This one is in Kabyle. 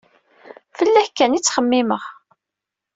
Fell-ak kan i ttxemmimeɣ.